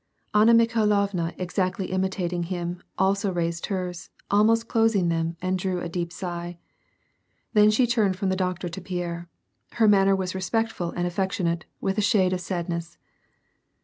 Anna Mikhailovna ex a(;tly imitating him, also raised hers, almost closing them, and 'Irew a deep sigh ; then she turned from the doctor to Pierre. Her manner was respectful and affectionate, with a shade of sadness.